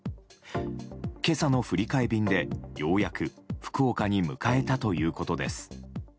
今朝の振り替え便で、ようやく福岡に向かえたということです。